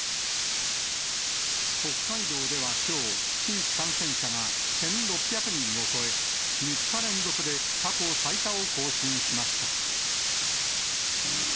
北海道ではきょう、新規感染者が１６００人を超え、３日連続で過去最多を更新しました。